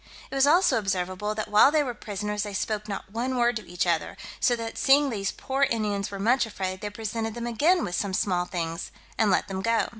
It was also observable, that while they were prisoners, they spoke not one word to each other; so that seeing these poor Indians were much afraid, they presented them again with some small things, and let them go.